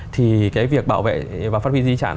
thì cái việc bảo vệ và phát huy di sản